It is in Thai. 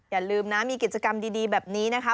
อย่าลืมนะมีกิจกรรมดีแบบนี้นะคะ